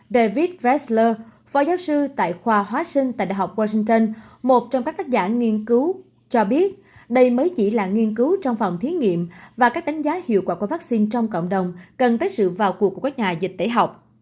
david fresler phó giáo sư tại khoa hóa sinh tại đại học washington một trong các tác giả nghiên cứu cho biết đây mới chỉ là nghiên cứu trong phòng thí nghiệm và các đánh giá hiệu quả của vaccine trong cộng đồng cần tới sự vào cuộc của các nhà dịch tễ học